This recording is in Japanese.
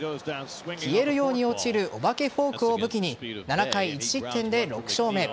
消えるように落ちるお化けフォークを武器に７回１失点で６勝目。